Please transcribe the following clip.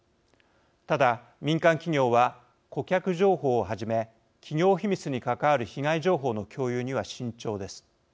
ただ民間企業は顧客情報をはじめ企業秘密に関わる被害情報の共有には慎重です。